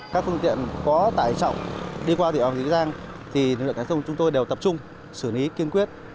các thương tiện có tải trọng đi qua địa phận tỉnh bắc giang thì nền lượng cánh sông chúng tôi đều tập trung sử lý kiên quyết